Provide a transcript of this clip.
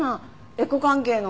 エコ関係の。